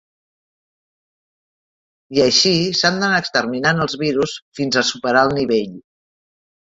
I així s'han d'anar exterminant els virus fins a superar el nivell.